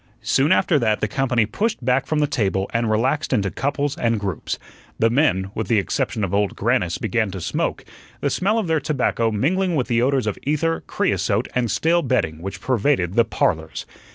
Soon after that the company pushed back from the table and relaxed into couples and groups. The men, with the exception of Old Grannis, began to smoke, the smell of their tobacco mingling with the odors of ether, creosote, and stale bedding, which pervaded the "Parlors."